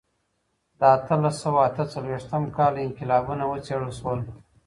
د اتلس سوه اته څلوېښتم کال انقلابونه وڅېړل سول.